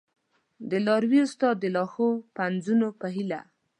د لاروي استاد د لا ښو پنځونو په هیله!